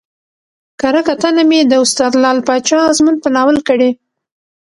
کره کتنه مې د استاد لعل پاچا ازمون په ناول کړى